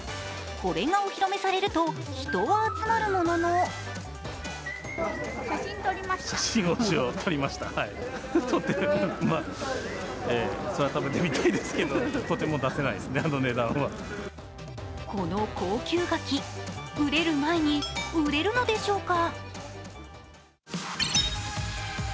これがお披露目されると、人は集まるもののこの高級柿、熟れる前に売れるのでしょうか？